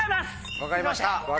分かりました。